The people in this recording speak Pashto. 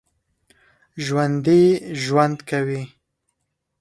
ژوندي ژوند کوي